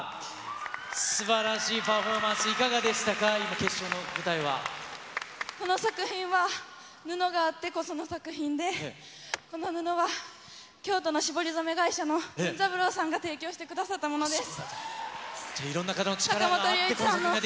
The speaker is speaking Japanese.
すばらしいパフォーマンス、いかがでしたか、今、この作品は、布があってこその作品で、この布は、京都の絞り染め会社のさんが提供してくださったものです。